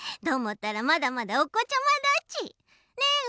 どーもったらまだまだおこちゃまだち。ね？